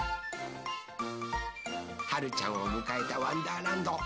はるちゃんをむかえた「わんだーらんど」